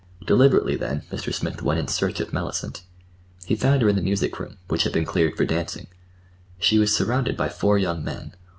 Deliberately then Mr. Smith went in search of Mellicent. He found her in the music room, which had been cleared for dancing. She was surrounded by four young men.